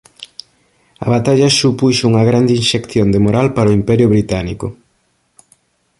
A batalla supuxo unha grande inxección de moral para o Imperio británico.